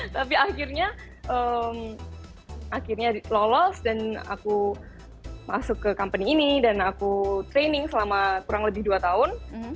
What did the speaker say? tapi akhirnya lolos dan aku masuk ke company ini dan aku training selama kurang lebih dua tahun